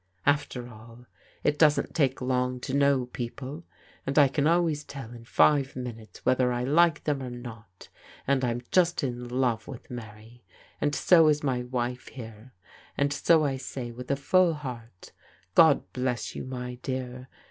After all, it doesn't take long to know people, and I can always tell in five minutes whether I like them TREV'S ENGAGEMENT 275 or not, and I'm just in love with Mary; and so is my wife here. And so I say with a full heart, God bless you, my dear.